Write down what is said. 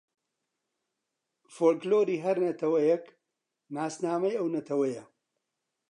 فۆلکلۆری هەر نەتەوەیێک ناسنامەی ئەو نەتەوەیە